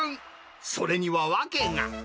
それには訳が。